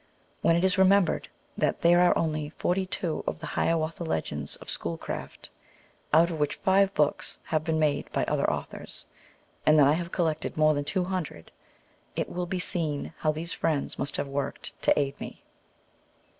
When it is remembered that there are only forty two of the Hiawatha Legends of Schoolcraft, out of which five books have been made by other authors, and that I have collected more than two hundred, it will be seen how these friends must have worked to aid me.